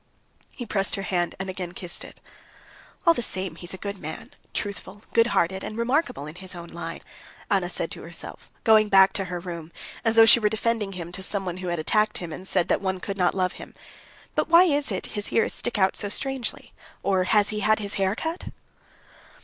He pressed her hand, and again kissed it. "All the same he's a good man; truthful, good hearted, and remarkable in his own line," Anna said to herself going back to her room, as though she were defending him to someone who had attacked him and said that one could not love him. "But why is it his ears stick out so strangely? Or has he had his hair cut?"